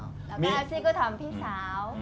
แล้วก็แอลซี่ก็ทำพี่สาว